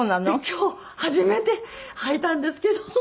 で今日初めて履いたんですけど。